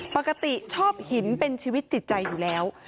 ปกติชอบหินเป็นชีวิตจิตใจอยู่แล้ว